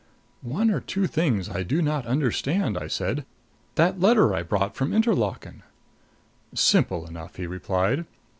"One or two things I do not understand," I said. "That letter I brought from Interlaken " "Simple enough," he replied.